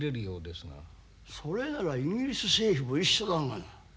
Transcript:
それならイギリス政府も一緒でんがな。